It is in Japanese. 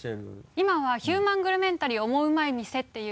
今は「ヒューマングルメンタリーオモウマい店」っていう。